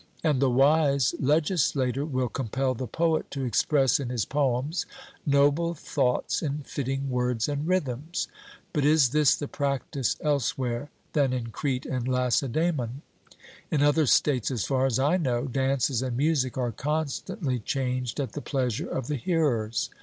And the wise legislator will compel the poet to express in his poems noble thoughts in fitting words and rhythms. 'But is this the practice elsewhere than in Crete and Lacedaemon? In other states, as far as I know, dances and music are constantly changed at the pleasure of the hearers.'